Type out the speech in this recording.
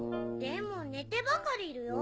でも寝てばかりいるよ。